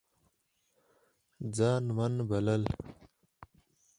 ځان من بلل